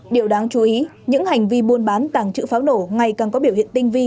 điều đáng chú ý những hành vi buôn bán tàng trữ pháo nổ ngày càng có biểu hiện tinh vi